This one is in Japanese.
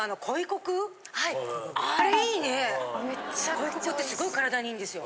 鯉こくってすごい体にいいんですよ。